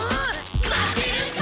負けるか！